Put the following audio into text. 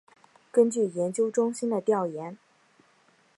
根据研究中心的调研